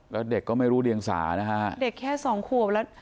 แล้วเด็กก็ไม่รู้เดียงสานะฮะเด็กแค่สองขวบแล้ว